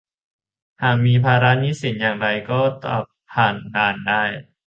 หากมีภาระหนี้สินอย่างไรก็จะผ่านด่านได้